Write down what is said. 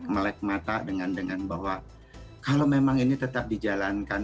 melek mata dengan bahwa kalau memang ini tetap dijalankan